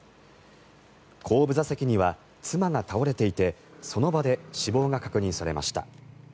後部座席には妻が倒れていてその場で死亡が確認されました。